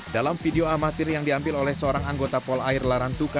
dalam video amatir yang diambil oleh seorang anggota polair larantuka